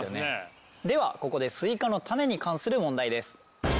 ではここでスイカの種に関する問題です。